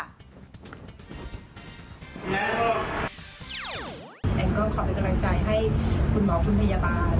แต่ก็ขอเป็นกำลังใจให้คุณหมอคุณพยาบาล